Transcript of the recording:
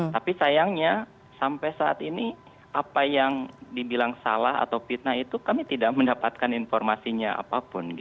tapi sayangnya sampai saat ini apa yang dibilang salah atau fitnah itu kami tidak mendapatkan informasinya apapun